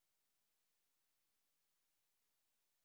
tentu saja cara buat trong spread